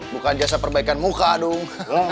bukan jasa perbaikan muka dong